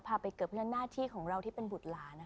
พาไปเกิดเรื่องหน้าที่ของเราที่เป็นบุตรหลาน